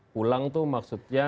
pulang tuh maksudnya